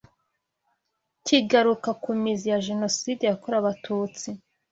kigaruka ku mizi ya Jenoside yakorewe Abatutsi